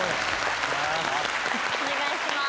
お願いしまーす。